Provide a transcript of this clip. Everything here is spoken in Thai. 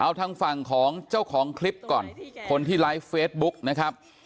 เอาทางฝั่งของเจ้าของคลิปก่อนคนที่ไลฟ์เฟซบุ๊กนะครับ